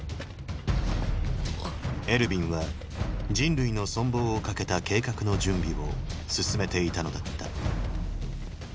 エルヴィンは人類の存亡をかけた計画の準備を進めていたのだった